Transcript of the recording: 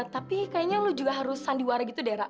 tapi kayaknya lo juga harus sandiwara gitu deh ra